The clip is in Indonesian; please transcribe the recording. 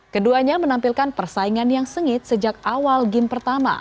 keduanya menampilkan persaingan yang sengit sejak awal game pertama